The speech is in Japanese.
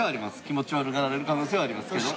気持ち悪がられる可能性はありますけど。